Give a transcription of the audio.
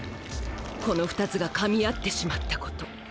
この２つが噛み合ってしまった事。